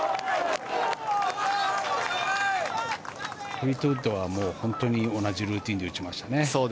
フリートウッドは本当に同じルーティンで打ちましたね。